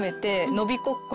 のびこっこ。